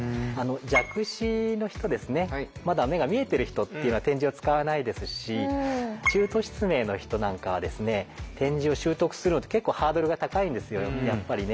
弱視の人ですねまだ目が見えてる人っていうのは点字を使わないですし中途失明の人なんかはですね点字を習得するのって結構ハードルが高いんですよやっぱりね。